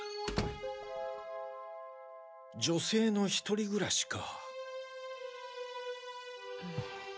女性の一人暮らしか。